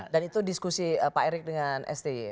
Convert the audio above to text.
dan itu diskusi pak erik dengan sti ya